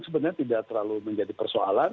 sebenarnya tidak terlalu menjadi persoalan